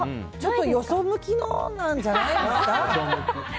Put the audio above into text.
よそ向きのなんじゃないですか。